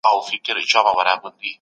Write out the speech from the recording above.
کاروان د پرمختګ په لور روان دی.